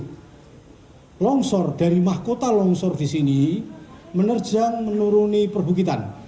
jadi longsor dari mahkota longsor di sini menerjang menuruni perbukitan